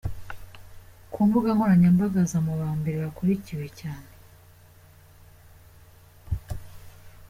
Ku mbuga nkoranyambaga, aza mu ba mbere bakurikiwe cyane.